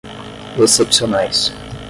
excepcionais